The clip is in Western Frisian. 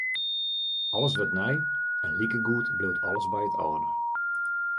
Alles wurdt nij en likegoed bliuwt alles by it âlde.